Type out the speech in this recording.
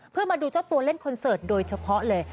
เพื่อมาดูเจ้าตัวเล่นคอนเสิร์ตโดยเฉพาะเลย